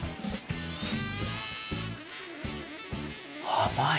甘い！